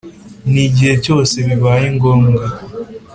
N igihe cyose bibaye ngombwa